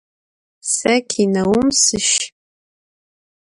Se kineum sış.